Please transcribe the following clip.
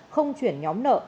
không chuyển nhóm nợ